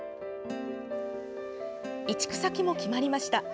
移築先も決まりました。